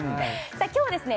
今日はですね